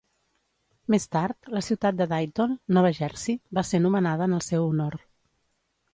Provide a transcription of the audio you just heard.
Més tard, la ciutat de Dayton, Nova Jersey, va ser nomenada en el seu honor.